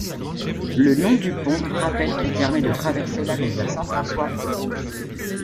Le nom du pont rappelle qu'il permet de traverser la rivière Saint-François.